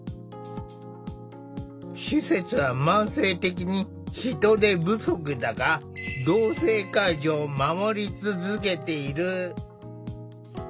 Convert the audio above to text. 施設は慢性的に人手不足だが同性介助を守り続けている。